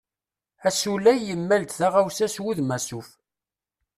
Asulay yemmal-d taɣawsa s wudem asuf.